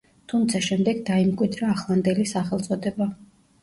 თუმცა შემდეგ დაიმკვიდრა ახლანდელი სახელწოდება.